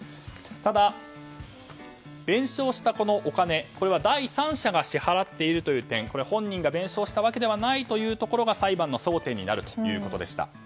ただ、弁償したお金、これは第三者が支払っているという点本人が弁償したわけではないというところが裁判の争点になるということでした。